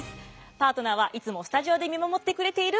パートナーはいつもスタジオで見守ってくれている